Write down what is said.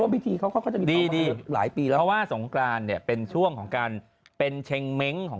พี่เขาจะเอาศพพระที่ลงพยาบาลสมทั้งหมด